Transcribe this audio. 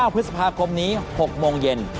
พฤษภาคมนี้๖โมงเย็น